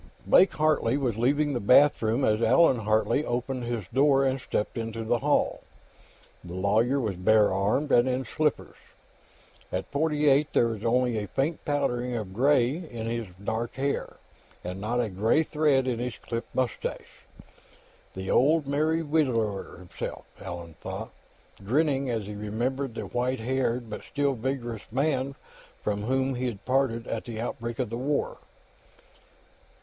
Blake Hartley was leaving the bathroom as Allan Hartley opened his door and stepped into the hall. The lawyer was bare armed and in slippers; at forty eight, there was only a faint powdering of gray in his dark hair, and not a gray thread in his clipped mustache. The old Merry Widower, himself, Allan thought, grinning as he remembered the white haired but still vigorous man from whom he'd parted at the outbreak of the War.